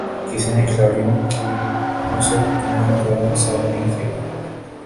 کسی نے کھلاڑیوں کی اوسط عمر کا حساب نہیں کِیا